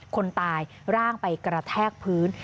คนตายร่างไปกระแทกพื้น